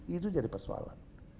itu jadi persoalan